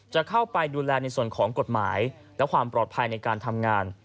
จะเข้าไปดูแลในส่วนของกฎหมายและความปลอดภัยในการทำงาน